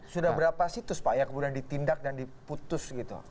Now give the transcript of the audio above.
sudah berapa situs pak yang kemudian ditindak dan diputus gitu